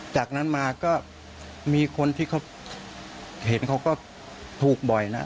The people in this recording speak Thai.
จากนั้นมาก็มีคนที่เขาเห็นเขาก็ถูกบ่อยนะ